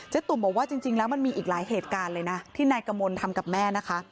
ตุ่มบอกว่าจริงแล้วมันมีอีกหลายเหตุการณ์เลยนะที่นายกมลทำกับแม่นะคะ